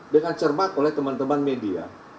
dengan cermat oleh teman teman media